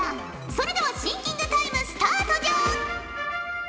それではシンキングタイムスタートじゃ！